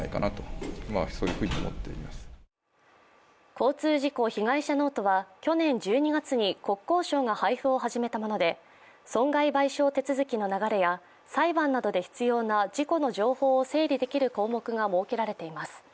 交通事故被害者ノートは去年１２月に国交省が配布を始めたもので損害賠償手続きの流れや裁判などで必要な事故の情報を整理できる項目が設けられています。